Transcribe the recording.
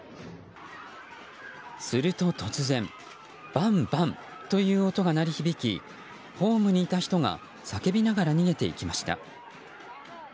すると突然バンバンという音が鳴り響きホームにいた人が叫びながら逃げていきました。